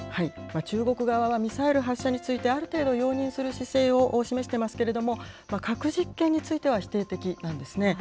中国側はミサイル発射について、ある程度容認する姿勢を示していますけれども、核実験については否定的なんですね。